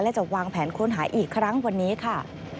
และจะวางแผนค้นหาอีกครั้งวันนี้ค่ะ